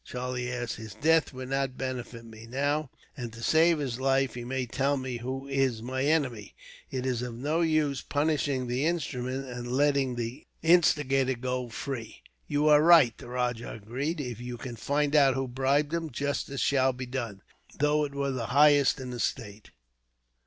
Charlie asked. "His death would not benefit me now, and to save his life, he may tell me who is my enemy. It is of no use punishing the instrument, and letting the instigator go free." "You are right," the rajah agreed. "If you can find out who bribed him, justice shall be done, though it were the highest in the state."